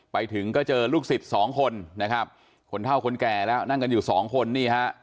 ไปถึงก็เจอลูกศิษย์สองคนคนเท่าคนแก่แล้วนั่งกันอยู่สองคน